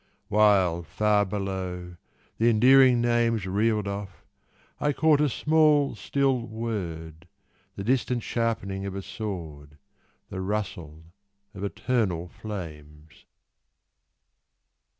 While far below the endearing names Reeled off, I caught a small, still word The distant sharpening of a sword The rustle of eternal flames.